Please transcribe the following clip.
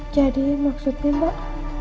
jadi maksudnya mbak